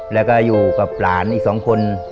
แล้วก็อยู่กับหลานอีก๒คน